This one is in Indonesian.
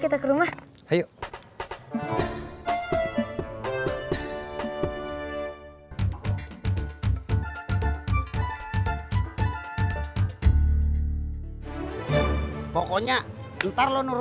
terima kasih ya bang